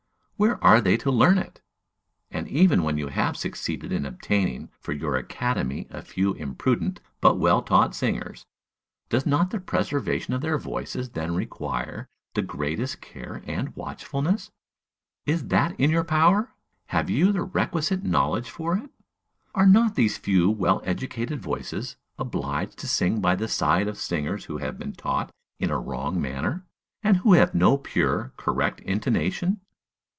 Where are they to learn it? And, even when you have succeeded in obtaining for your academy a few imprudent but well taught singers, does not the preservation of their voices then require the greatest care and watchfulness? Is that in your power? Have you the requisite knowledge for it? Are not these few well educated voices obliged to sing by the side of singers who have been taught in a wrong manner, and who have no pure, correct intonation?